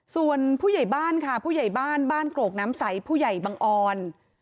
ส่วนผู้ใหญ่บ้านค่ะผู้ใหญ่บ้านบ้านโกรกน้ำใสผู้ใหญ่บังออน